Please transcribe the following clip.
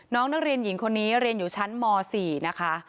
น้องนักเรียนหญิงคนนี้เรียนอยู่ชั้นม๔นะคะ